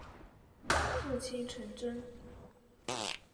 父亲陈贞。